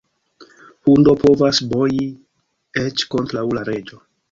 Hundo povas boji eĉ kontraŭ la reĝo.